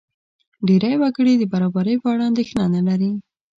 ډېری وګړي د برابرۍ په اړه اندېښنه نه لري.